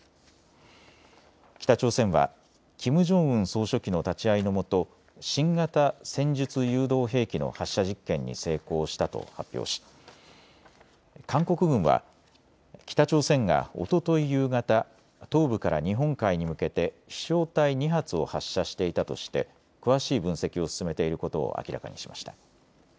北朝鮮はキム・ジョンウン総書記の立ち会いのもと新型戦術誘導兵器の発射実験に成功したと発表し韓国軍は北朝鮮がおととい夕方、東部から日本海に向けて飛しょう体２発を発射していたとして詳しい分析を進めていることを明らかにしました。